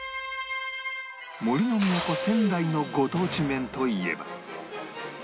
杜の都仙台のご当地麺といえば